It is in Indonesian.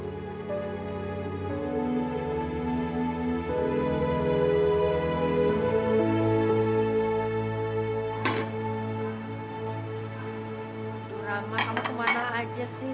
rama kamu kemana aja sih